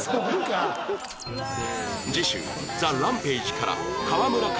次週 ＴＨＥＲＡＭＰＡＧＥ から川村壱